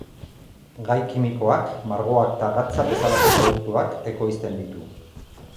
Gai kimikoak, margoak eta gatza bezalako produktuak ekoizten ditu.